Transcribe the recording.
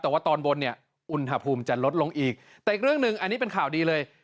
แต่ว่าตอนบนเนี่ยอุณหภูมิจะลดลงอีกแต่อีกเรื่องหนึ่งอันนี้เป็นข่าวดีเลย